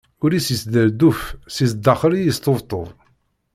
Ul-is yesderduf si sdaxel i d-yesṭebṭub.